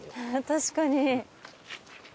確かに。